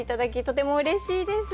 とてもうれしいです。